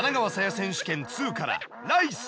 選手権２からライス！